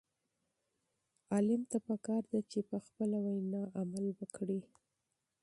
عالم ته پکار ده چې په خپله وینا عمل وکړي.